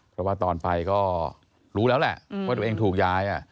เพราะว่าตอนไปก็รู้แล้วแหละว่าตัวเองถูกย้าย